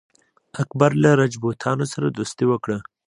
اکبر له راجپوتانو سره دوستي وکړه.